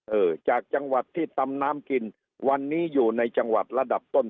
เออจากจังหวัดที่ตำน้ำกินวันนี้อยู่ในจังหวัดระดับต้น